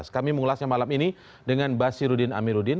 kami mengulasnya malam ini dengan basirudin amiruddin